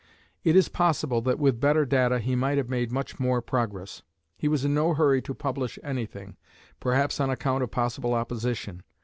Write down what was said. It is possible that with better data he might have made much more progress. He was in no hurry to publish anything, perhaps on account of possible opposition.